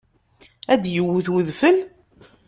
Ad d-yewwet udfel?